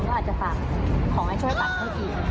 ก็อาจจะฝากของให้ช่วยปัดให้อีก